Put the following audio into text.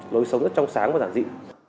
lối sống rất trong sáng và giản dị